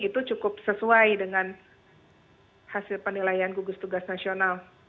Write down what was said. itu cukup sesuai dengan hasil penilaian gugus tugas nasional